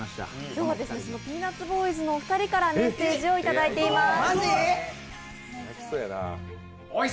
今日はそのピーナッツボーイズのお二人からメッセージをもらっています。